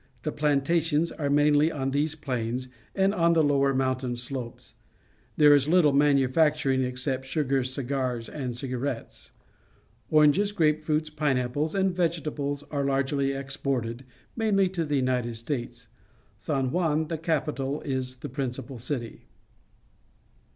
The plantations are mainh' on these plains and on the lower mountain slopes. There is Uttle manufacturing, except sugar, cigars, and cigarettes. Oranges, grape fruit, pineapples, and vegetables are largelj^ exported, mainly to the United States. San Juan, the capital, is the principal city.